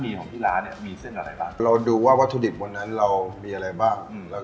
มียังว่าพัสต้าแต่ละวันก็จะปรับเปลี่ยนไปเรื่อย